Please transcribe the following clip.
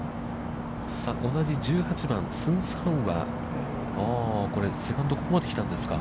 同じ１８番、スンス・ハンは、これセカンド、ここまで来たんですか。